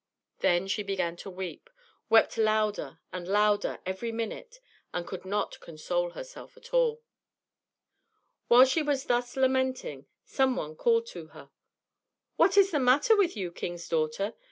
Then she began to weep, wept louder and louder every minute, and could not console herself at all. While she was thus lamenting some one called to her: "What is the matter with you, king's daughter?